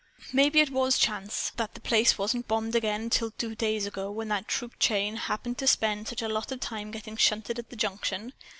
Maybe it was chance that the place wasn't bombed again till two days ago, when that troop train had to spend such a lot of time getting shunted at the junction.